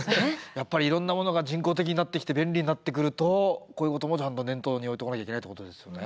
やっぱりいろんなものが人工的になってきて便利になってくるとこういうこともちゃんと念頭に置いとかなきゃいけないってことですよね。